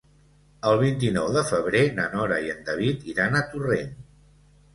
El vint-i-nou de febrer na Nora i en David iran a Torrent.